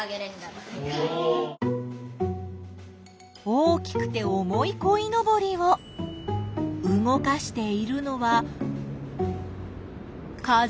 大きくて重いこいのぼりを動かしているのは風？